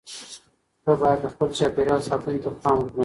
ته باید د خپل چاپیریال ساتنې ته پام وکړې.